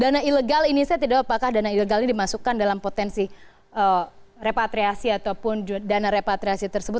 dana ilegal ini saya tidak tahu apakah dana ilegal ini dimasukkan dalam potensi repatriasi ataupun dana repatriasi tersebut